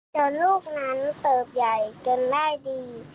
ลูกนั้นเติบใหญ่จนได้ดี